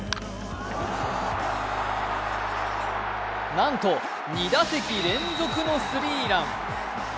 なんと２打席連続のスリーラン。